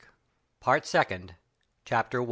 PART SECOND. CHAPTER I.